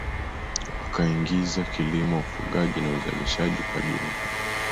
Wakaingiza kilimo ufugaji na uzalishaji kwa jumla